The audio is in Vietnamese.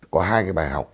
có hai cái bài học